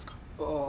ああ。